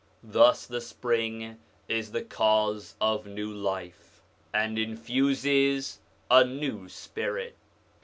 Thus the spring is the cause of new life, and infuses a new spirit.